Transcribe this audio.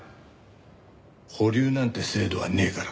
保留なんて制度はねえからな。